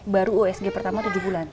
baru usg pertama tujuh bulan